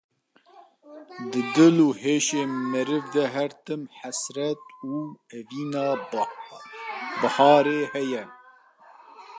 Di dil û heşê meriv de her tim hesret û evîna biharê heye